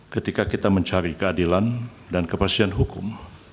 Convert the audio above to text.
ketika kita mencari keadilan dan kepastian hukum